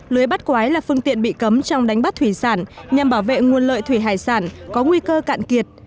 lưới bắt quái là phương tiện bị cấm trong đánh bắt thủy sản nhằm bảo vệ nguồn lợi thủy hải sản có nguy cơ cạn kiệt